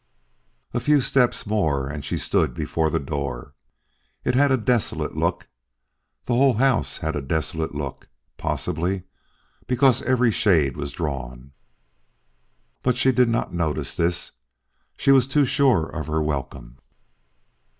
A few steps more, and she stood before the door. It had a desolate look; the whole house had a desolate look, possibly because every shade was drawn. But she did not notice this; she was too sure of her welcome.